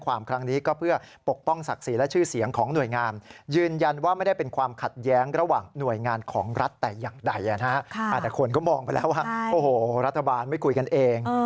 ก็มองไปแล้วว่ารัฐบาลไม่คุยกันเอง